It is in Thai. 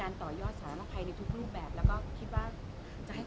มี่เมื่อวานที่มีการฝึกอะค่ะ